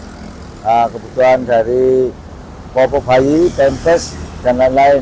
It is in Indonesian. tempat tidur lipat kebutuhan dari popo bayi tempes dan lain lain